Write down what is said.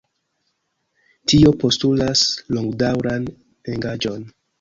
Tio postulas longdaŭran engaĝon.